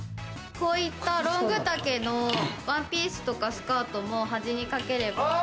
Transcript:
こういったロング丈のワンピースとかスカートも端にかければ。